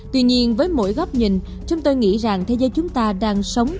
tuy nhiên với mỗi góc nhìn chúng tôi nghĩ rằng thế giới chúng ta đang sống